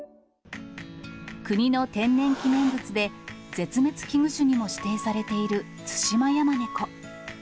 国の天然記念物で、絶滅危惧種にも指定されているツシマヤマネコ。